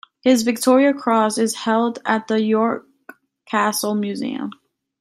His Victoria Cross is held at the York Castle Museum.